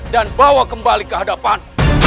dan bawa kembali ke hadapan